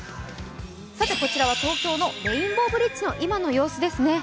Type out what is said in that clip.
こちらは東京のレインボーブリッジの今の様子ですね。